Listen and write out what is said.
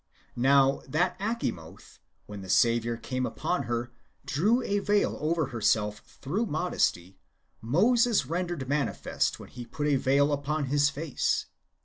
"^ Now, that Acha moth, w^hen the Saviour came to her, drew a veil over herself througli modesty, IMoses rendered manifest when he put a veil upon his face.